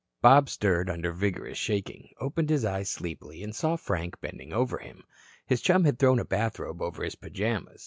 Bob stirred under vigorous shaking, opened his eyes sleepily, and saw Frank bending over him. His chum had thrown a bathrobe over his pajamas.